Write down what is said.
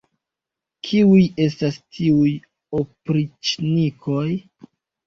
Kiuj estas tiuj opriĉnikoj!